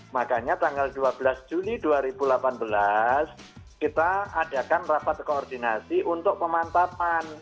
makanya tanggal dua belas juni dua ribu delapan belas kita adakan rapat koordinasi untuk pemantapan